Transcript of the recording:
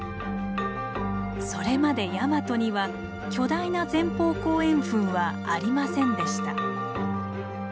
それまでヤマトには巨大な前方後円墳はありませんでした。